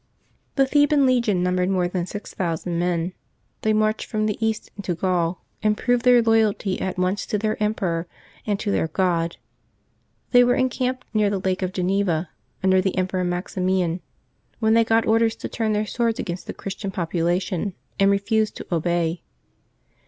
I^^HE Theban legion numbered more than six thousand \my men. They marched from the East into Gaul, and proved their loyalty at once to their Emperor and to their God. They were encamped near the Lake of Geneva, un der the Emperor Maximian, when they got orders to turn their swords against the Christian population, and refused to obey.